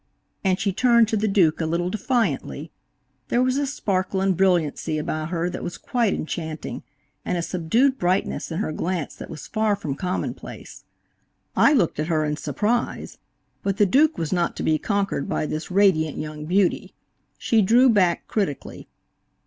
and she turned to the Duke a little defiantly. There was a sparkle and brilliancy about her that was quite enchanting, and a subdued brightness in her glance that was far from commonplace. I looked at her in surprise, but the Duke was not to be conquered by this radiant young beauty. She drew back critically.